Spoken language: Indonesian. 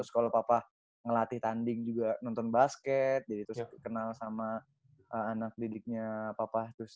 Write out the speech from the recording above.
terus kalau papa ngelatih tanding juga nonton basket jadi terus kenal sama anak didiknya papa terus